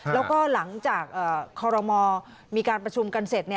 แล้วก็หลังจากคอรมอมีการประชุมกันเสร็จ